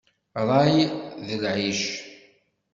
Ṛṛay d lɛic.